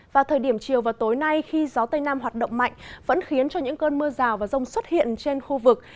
và thời điểm chiều và tối nay khi gió tây nam hoạt động mạnh vẫn khiến cho những cơn mưa rào và rông xuất hiện trên khu vực